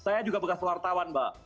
saya juga bekas wartawan mbak